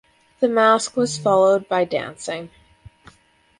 The masque was followed by dancing.